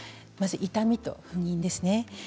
痛みと不妊ですね。